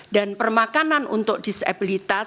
dan permakanan untuk disabilitas